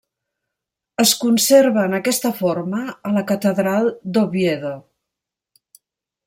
Es conserva en aquesta forma a la Catedral d'Oviedo.